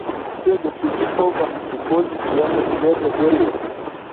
Sed ĉu vi povas supozi kiam li vere venis?